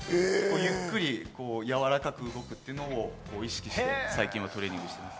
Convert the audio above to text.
ゆっくりやわらかく動くというのを意識して最近はトレーニングしてます。